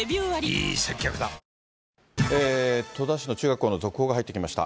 戸田市の中学校の続報が入ってきました。